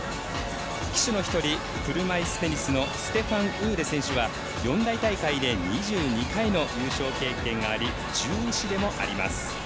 旗手の１人、車いすテニスのステファン・ウーデ選手は四大大会で２２回の優勝経験があり獣医師でもあります。